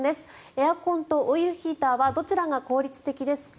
エアコンとオイルヒーターはどちらが効率的ですか？